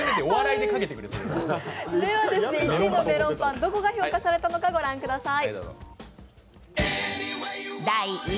１位のメロンパン、どこが評価されたのか御覧ください。